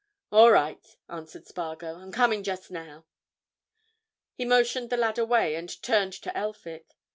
"All right," answered Spargo. "I'm coming just now." He motioned the lad away, and turned to Elphick.